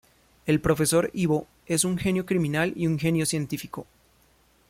El profesor Ivo es un genio criminal y un genio científico.